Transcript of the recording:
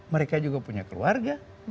mereka juga punya keluarga